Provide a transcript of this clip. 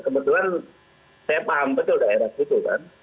kebetulan saya paham betul daerah situ kan